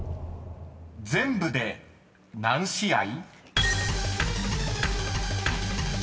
［全部で何試合？］